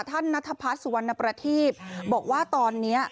ท่านนัทพัฒน์สุวรรณประทีพบอกว่าตอนนี้